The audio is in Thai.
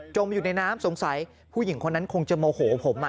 อยู่ในน้ำสงสัยผู้หญิงคนนั้นคงจะโมโหผม